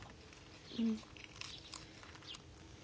うん。